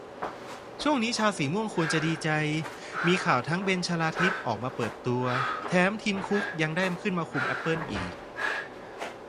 ช่วงนี้ชาวสีม่วงควรจะดีใจ มีข่าวทั้งเบนชลาทิศออกมาเปิดตัว แถมทิมคุกยังได้ขึ้นมาคุมแอปเปิ้ลอีก